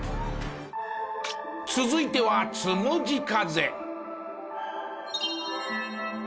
続いてはつむじ風。